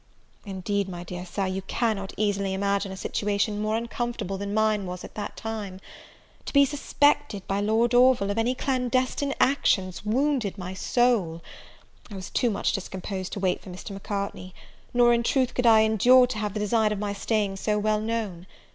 Indeed, my dear Sir, you cannot easily imagine a situation more uncomfortable than mine was at that time; to be suspected by Lord Orville of any clandestine actions wounded my soul; I was too much discomposed to wait for Mr. Macartney, nor in truth, could I endure to have the design of my staying so well known.